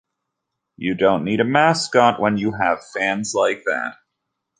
You don't need a mascot when you have fans like that.